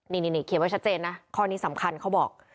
นี่เขียนไว้ชัดเจนนะข้อนี้สำคัญเขาบอก